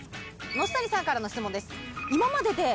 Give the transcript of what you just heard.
熨斗谷さんからの質問です。